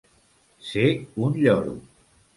Ser un lloro.